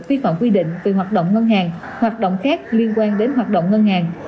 vi phạm quy định về hoạt động ngân hàng hoạt động khác liên quan đến hoạt động ngân hàng